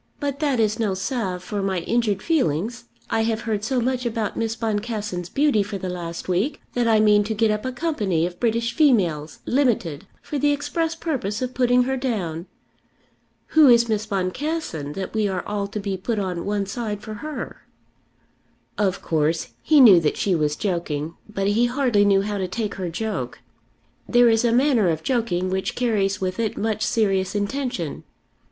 "But that is no salve for my injured feelings I have heard so much about Miss Boncassen's beauty for the last week, that I mean to get up a company of British females, limited, for the express purpose of putting her down. Who is Miss Boncassen that we are all to be put on one side for her?" Of course he knew that she was joking, but he hardly knew how to take her joke. There is a manner of joking which carries with it much serious intention.